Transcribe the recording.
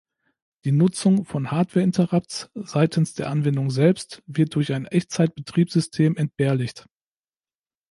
Die Nutzung von Hardware-Interrupts seitens der Anwendung selbst wird durch ein Echtzeitbetriebssystem entbehrlich.